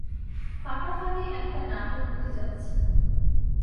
ফাটাফাটি একটা নাটক হতে যাচ্ছে।